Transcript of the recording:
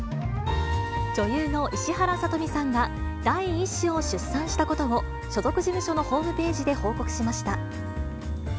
女優の石原さとみさんが、第１子を出産したことを、所属事務所のホームページで報告しました。